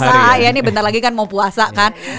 kalau perlu puasa ya ini bentar lagi kan mau puasa kan